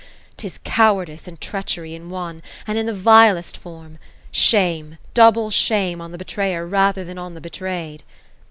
'Tis cowardice and treachery in one, and in the vilest form. Shame, double shame, on the l>etrayer rather than on the betrayed